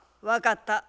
分かった。